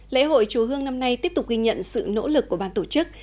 lễ hội chùa hương năm nay tiếp tục ghi nhận sự nỗ lực của ban tổ chức